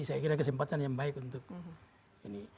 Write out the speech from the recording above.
saya kira kesempatan yang baik untuk ini